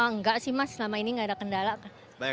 enggak sih mas selama ini enggak ada kendala